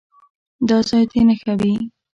دا ځای دې نښه وي.